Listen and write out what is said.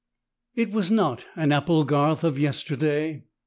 It was not an apple garth of yesterday.